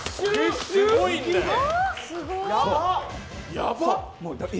やばっ！